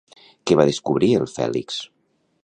Què va descobrir el Fèlix?